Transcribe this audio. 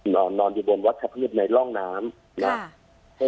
นอนนอนอยู่บนวัดชะพืชในร่องน้ำค่ะ